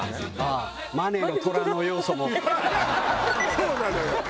そうなのよ。